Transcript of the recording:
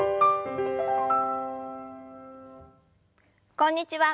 こんにちは。